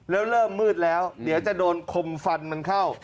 แล้วเริ่มมืดแล้วเดี๋ยวจะโดนคมฟันมันเข้า